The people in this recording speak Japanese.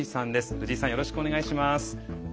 藤井さん、よろしくお願いします。